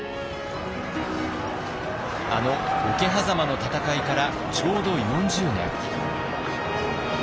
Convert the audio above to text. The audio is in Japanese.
あの桶狭間の戦いからちょうど４０年。